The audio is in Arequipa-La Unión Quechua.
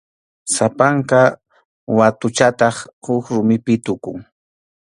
Sapanka watuchataq huk rumipi tukun.